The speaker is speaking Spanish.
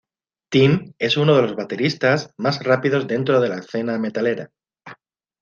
Tim es un de los bateristas más rápidos dentro de la escena metalera.